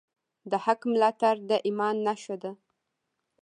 د حق ملاتړ د ایمان نښه ده.